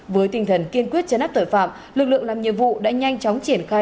với tinh thần kiên quyết chấn áp tội phạm lực lượng làm nhiệm vụ đã nhanh chóng triển khai